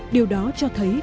điều đó cho thấy